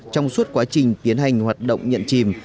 trong suốt quá trình tiến hành hoạt động nhận chìm